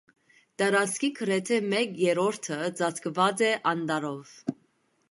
Տարածքի գրեթե մեկ երրորդը ծածկված է անտառով։